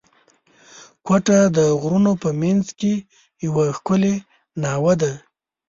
کوټه د غرونو په منځ کښي یوه ښکلې ناوه ده.